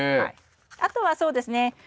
あとはそうですね